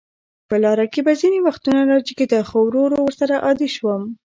په لاره کې به ځینې وختونه راجګېده، خو ورو ورو ورسره عادي شوم.